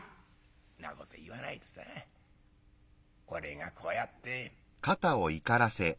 「んなこと言わないでさ俺がこうやって」。